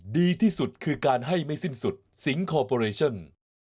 ดีที่สุดคือการให้ไม่สิ้นสุดสิงคอร์ปอเรชั่น